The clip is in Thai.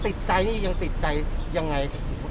ติดใจนี่ยังติดใจยังไง